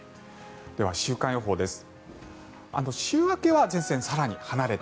では、週間予報です。